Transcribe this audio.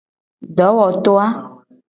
Dowoto a.